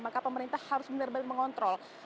maka pemerintah harus benar benar mengontrol